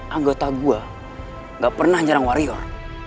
anggota gue gak pernah nyerang warior